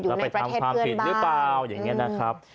อยู่ในประเทศเพื่อนบ้างแล้วไปทำความผิดหรือเปล่าอย่างเงี้ยนะครับ